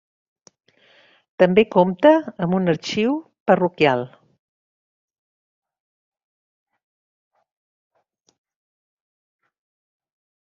També compta amb un arxiu parroquial.